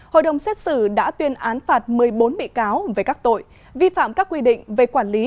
hội đồng xét xử đã tuyên án phạt một mươi bốn bị cáo về các tội vi phạm các quy định về quản lý